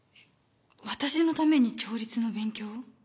私のために調律の勉強を？